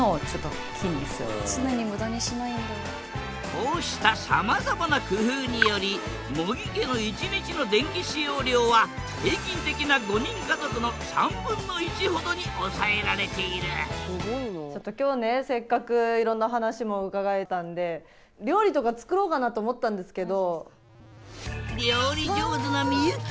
こうしたさまざまな工夫により茂木家の１日の電気使用量は平均的な５人家族の３分の１ほどに抑えられている今日ねせっかくいろんな話も伺えたんで料理上手な幸。